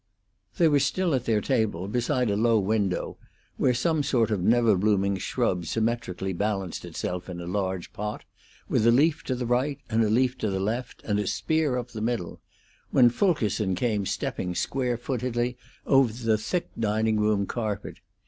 They were still at their table, beside a low window, where some sort of never blooming shrub symmetrically balanced itself in a large pot, with a leaf to the right and a leaf to the left and a spear up the middle, when Fulkerson came stepping square footedly over the thick dining room carpet.